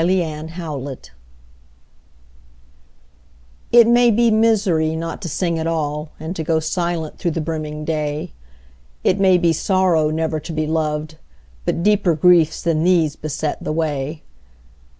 LIFE'S TRAGEDY It may be misery not to sing at all And to go silent through the brimming day. It may be sorrow never to be loved, But deeper griefs than these beset the way.